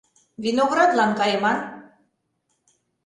Виноградлан кайыман!